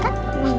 kasih lagi peti ya